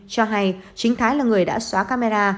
cho hay chính thái là người đã xóa camera